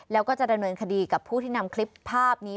แล้วก็จะดำเนินคดีกับผู้ที่นำคลิปภาพนี้